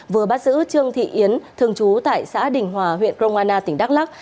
vừa bắt giữ trương thị yến thường chú tại xã đình hòa huyện công an tỉnh đắk lắc